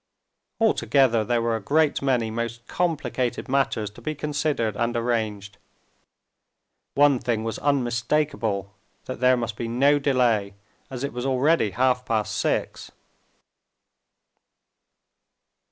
Altogether there were a great many most complicated matters to be considered and arranged. One thing was unmistakable, that there must be no delay, as it was already half past six.